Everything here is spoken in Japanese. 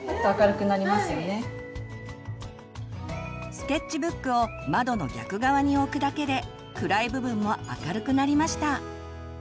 スケッチブックを窓の逆側に置くだけで暗い部分も明るくなりました。